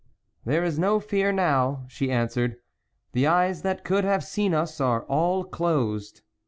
..."" There is no fear now," she answered, ' the eyes that could have seen us are all closed."